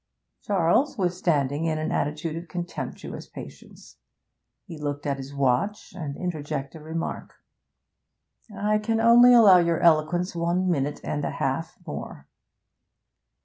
Charles was standing in an attitude of contemptuous patience. He looked at his watch and interjected a remark. 'I can only allow your eloquence one minute and a half more.'